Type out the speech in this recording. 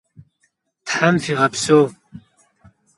Them fiğepseu!